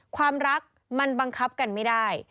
ความรักมันบังคับกันไม่ได้